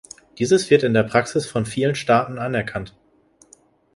Dieses wird in der Praxis von vielen Staaten anerkannt.